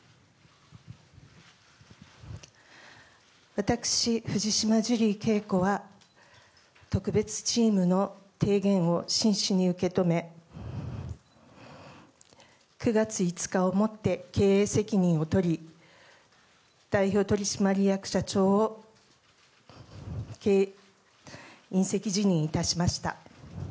私、藤島ジュリー景子は特別チームの提言を真摯に受け止め９月５日をもって経営責任をとり代表取締役社長を引責辞任いたしました。